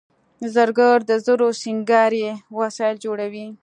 زرګر د زرو سینګاري وسایل جوړوي